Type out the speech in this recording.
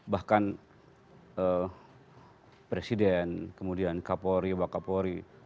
bahkan presiden kemudian kapolri wak kapolri